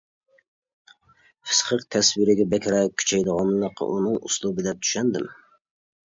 پىسخىك تەسۋىرگە بەكرەك كۈچەيدىغانلىقى ئۇنىڭ ئۇسلۇبى دەپ چۈشەندىم.